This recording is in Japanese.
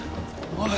おい。